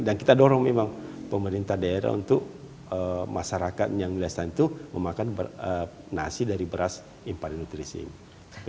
dan kita dorong memang pemerintah daerah untuk masyarakat yang sudah selesai itu memakan nasi dari beras impari nutrisi ini